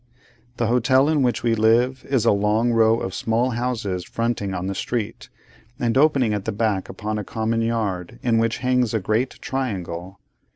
The hotel in which we live, is a long row of small houses fronting on the street, and opening at the back upon a common yard, in which hangs a great triangle.